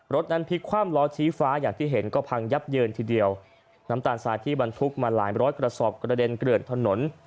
รถนั้นพลิกคว่ำล้อชี้ฟ้าอย่างที่เห็นก็พังยับเยินทีเดียวน้ำตาลทรายที่บรรทุกมาหลายร้อยกระสอบกระเด็นเกลื่อนถนน